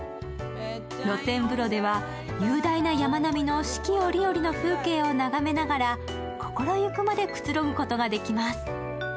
露天風呂では雄大な山並みの四季折々の風景を眺めながら心ゆくまでくつろぐことができます。